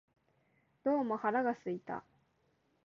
どうも腹が空いた